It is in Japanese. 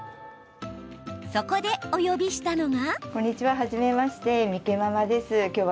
そこで、お呼びしたのが。